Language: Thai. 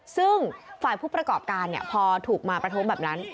ซึ่งฝ่ายผู้ประกอบการพอถูกมาประท้วงแบบนั้น